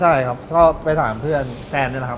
ใช่ครับก็ไปถามเพื่อนแฟนด้วยแล้วครับ